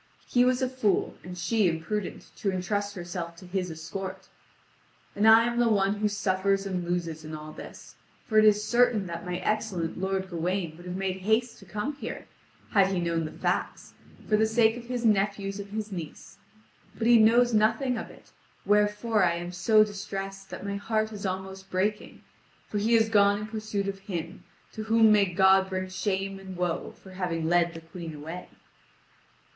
He was a fool, and she imprudent to entrust herself to his escort. And I am the one who suffers and loses in all this; for it is certain that my excellent lord Gawain would have made haste to come here, had he known the facts, for the sake of his nephews and his niece. But he knows nothing of it, wherefore I am so distressed that my heart is almost breaking, for he is gone in pursuit of him, to whom may God bring shame and woe for having led the Queen away."